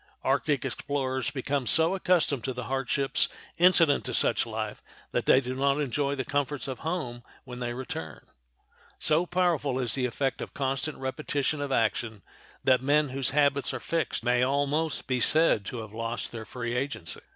Arctic explorers become so accustomed to the hardships incident to such a life that they do not enjoy the comforts of home when they return. So powerful is the effect of constant repetition of action that men whose habits are fixed may almost be said to have lost their free agency.